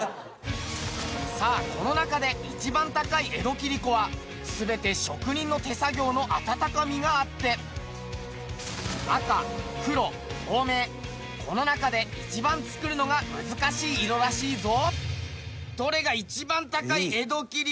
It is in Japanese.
さあこの中で一番高い江戸切子は全て職人の手作業のあたたかみがあって赤黒透明この中で一番作るのが難しい色らしいぞ。